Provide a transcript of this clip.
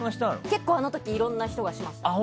結構あの時いろんな人がしました。